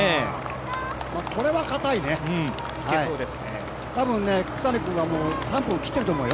これはかたいね、多分聞谷君は３分切ってると思うよ。